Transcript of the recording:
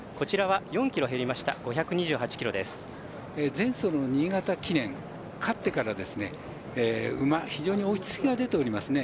前走の新潟記念勝ってから、非常に馬に落ち着きが出ておりますね。